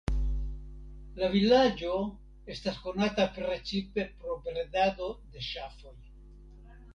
La vilaĝo estas konata precipe pro bredado de ŝafoj.